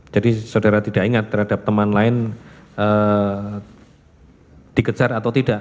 jadi saudara tidak ingat terhadap teman lain dikejar atau tidak